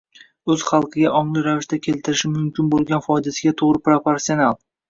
o‘z xalqiga ongli ravishda keltirishi mumkin bo‘lgan foydasiga to‘g‘ri proporsional